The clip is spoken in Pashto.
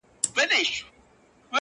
په لمن کي یې ور واچول قندونه؛